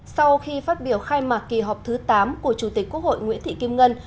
sau khi phát biểu khai mạc kỳ họp thứ tám của chủ tịch quốc hội nguyễn thị kim ngân